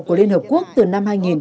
của liên hợp quốc từ năm hai nghìn